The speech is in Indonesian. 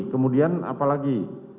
kemudian apa lagi